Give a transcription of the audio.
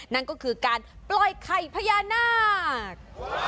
นั่นก็คือการปล่อยไข่พญานาค